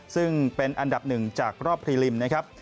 ซึ่งเป็นอันดับหนึ่งจากรอบพรีลิมนะครับ